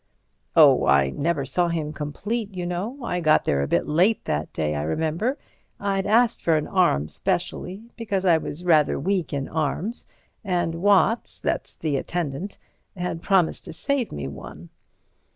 "Oh, I never saw him complete, you know. I got there a bit late that day, I remember. I'd asked for an arm specially, because I was rather weak in arms, and Watts—that's the attendant—had promised to save me one."